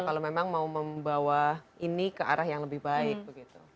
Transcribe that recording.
kalau memang mau membawa ini ke arah yang lebih baik begitu